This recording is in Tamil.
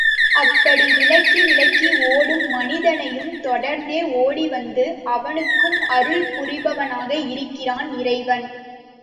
அப்படி விலகி விலகி ஓடும் மனிதனையும் தொடர்ந்தே ஓடிவந்து அவனுக்கும் அருள் புரிபவனாக இருக்கிறான் இறைவன்.